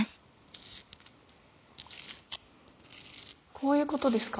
こういうことですか？